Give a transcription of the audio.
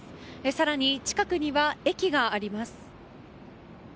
更に、近くには駅があります。